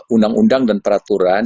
undang undang dan peraturan